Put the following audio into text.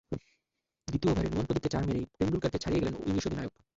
দ্বিতীয় ওভারে নুয়ান প্রদীপকে চার মেরেই টেন্ডুলকারকে ছাড়িয়ে গেলেন ইংলিশ অধিনায়ক।